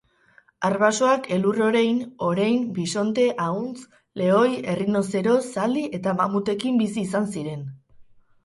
Arbasoak elur-orein, orein, bisonte, ahuntz, lehoi, errinozero, zaldi eta mamutekin bizi izan ziren.